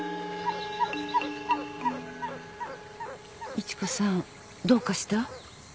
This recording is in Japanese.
美知子さんどうかした？